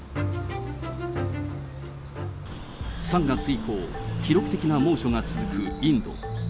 ３月以降、記録的な猛暑が続くインド。